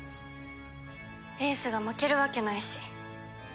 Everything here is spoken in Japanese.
英寿が負けるわけないし。